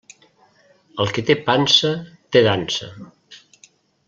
El que té pansa, té dansa.